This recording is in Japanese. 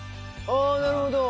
ああなるほど。